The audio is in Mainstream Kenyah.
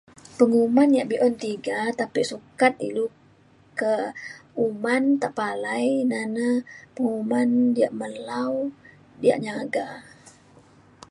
penguman yak be’un tiga tapi sukat ilu ke uman tepalai ina na penguman diak melau diak nyaga.